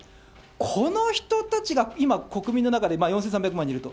この人たちが今、国民の中で４３００万人いると。